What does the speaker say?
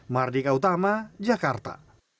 mardika utama jakarta